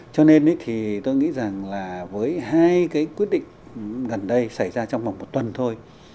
cho nên thì tôi nghĩ rằng là với hai cái quyết định gần đây xảy ra trong vòng một tuần thôi